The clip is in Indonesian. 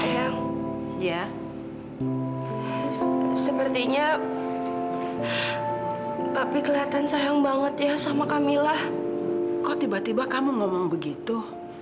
sayang ya sepertinya tapi kelihatan sayang banget ya sama kamilah kok tiba tiba kamu ngomong begitu